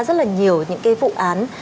rất là nhiều những cái vụ án